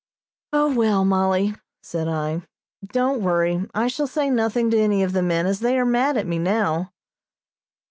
"O, well, Mollie," said I, "don't worry. I shall say nothing to any of the men as they are mad at me now."